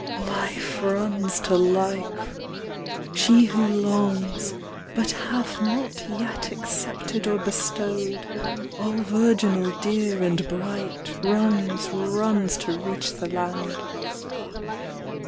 Life runs to life. She who longs, But hath not yet accepted or bestowed, All virginal dear and bright, Runs, runs to reach the land.